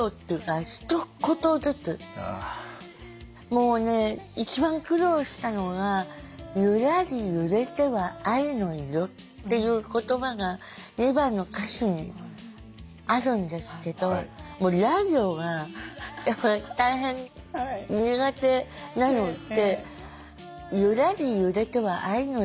もうね一番苦労したのが「ゆらり揺れては愛の色」っていう言葉が２番の歌詞にあるんですけどもうら行がやっぱり大変苦手なので「ゆらり揺れては愛の色」。